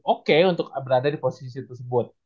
oke untuk berada di posisi tersebut